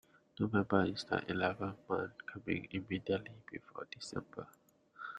November is the eleventh month, coming immediately before December